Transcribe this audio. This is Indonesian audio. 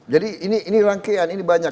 jadi ini rangkaian ini banyak